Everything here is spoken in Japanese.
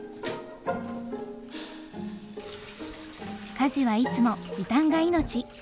家事はいつも時短が命。